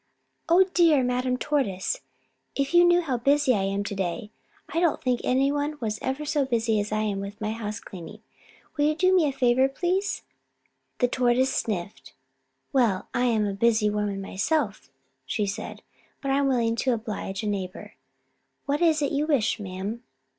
Oh, dear Madame Tortoise, if you knew how busy I am to day. I don't think any one was ever so busy as I am with my house cleaning. Will you do me a favor, please?" The Tortoise sniffed. "Well, I am a busy woman myself," she said, "but I am willing to oblige a neighbor. What is it you wish, ma'am?"